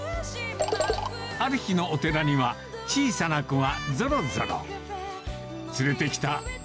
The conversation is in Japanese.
ある日のお寺には、小さな子がぞろぞろ。